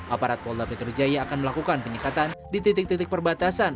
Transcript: aparat pola petrojaya akan melakukan peningkatan di titik titik perbatasan